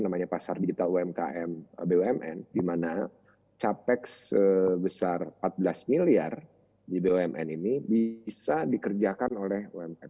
namanya pasar digital umkm bumn di mana capek sebesar empat belas miliar di bumn ini bisa dikerjakan oleh umkm